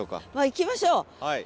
いきましょう。